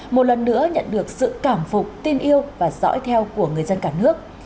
một lần nữa nhận được sự cảm phục tin yêu và dõi theo của người dân cả nước